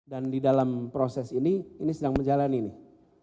dan di dalam proses ini ini sedang menjalani nih